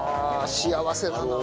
幸せだなあ。